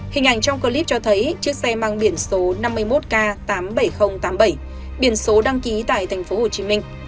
hình ảnh trong clip cho thấy chiếc xe mang biển số năm mươi một k tám mươi bảy nghìn tám mươi bảy biển số đăng ký tại tp hcm